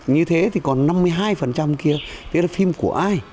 như thế thì còn năm mươi hai kia thế là phim của ai